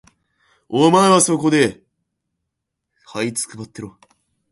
ところがその兵隊はみんな背が高くて、かおかたちの立派なものでなくてはならないのでした。